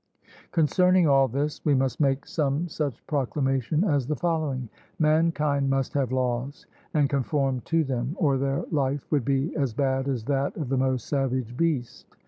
Concerning all this, we must make some such proclamation as the following: Mankind must have laws, and conform to them, or their life would be as bad as that of the most savage beast.